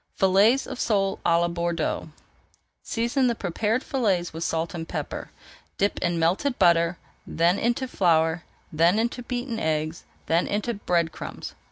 FILLETS OF SOLE À LA BORDEAUX Season the prepared fillets with salt and pepper, dip in melted butter, then into flour, then into beaten eggs, then into bread crumbs.